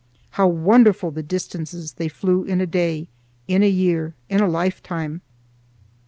How wonderful the distances they flew in a day—in a year—in a lifetime!